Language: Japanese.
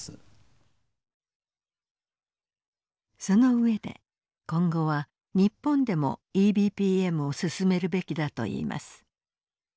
その上で今後は日本でもＥＢＰＭを進めるべきだといいます。